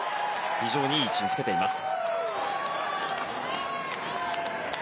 非常にいい位置につけています。